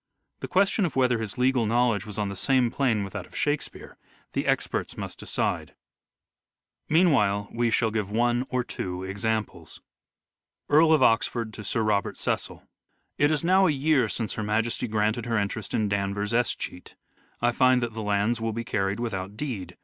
The question of whether his legal knowledge was on the same plane with that of " Shakespeare " the experts must decide : meanwhile we shall give one or two examples :— Earl of Oxford to Sir Robert Cecil: "It is now a year since Her Majesty granted her interest in Danver's escheat. I find that the lands will be carried without deed.